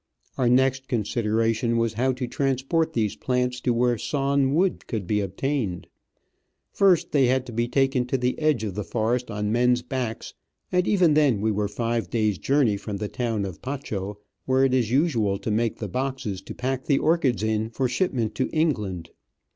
Our next con sideration was how to transport these plants to where sawn wood could be obtained. First, they had to be taken to the edge of the forest on men's backs ; and even then we were five days* journey from the town of Pacho, where it is usual to make the boxes to pack the orchids in for shipment to England.